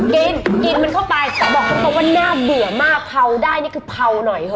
กินกินมันเข้าไปแต่บอกตรงว่าน่าเบื่อมากเผาได้นี่คือเผาหน่อยเถ